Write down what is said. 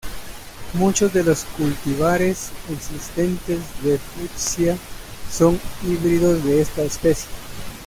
Muchos de los cultivares existentes de "Fuchsia" son híbridos de esta especie.